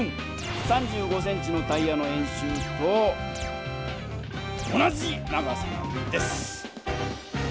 ３５ｃｍのタイヤの円周と同じ長さなんです。